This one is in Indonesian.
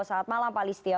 selamat malam pak listio